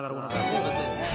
すいませんねぇ。